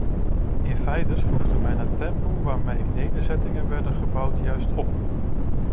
In feite schroefde men het tempo waarmee nederzettingen werden gebouwd juist op.